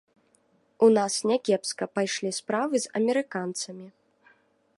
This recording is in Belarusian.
У нас някепска пайшлі справы з амерыканцамі.